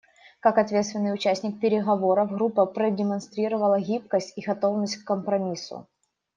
Как ответственный участник переговоров группа продемонстрировала гибкость и готовность к компромиссу.